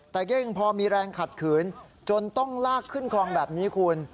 แต่ก็ยังพอมีแรงขัดขืนจนต้องลากขึ้นคลองแบบนี้คุณ